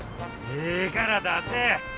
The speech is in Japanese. ええから出せ！